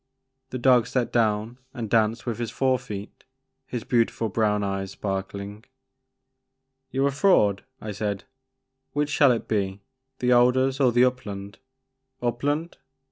*' The dog sat down and danced with his fore feet, his beautiful brown eyes sparkling. You 're a fraud," I said ;which shall it be, the alders or the upland ? Upland ?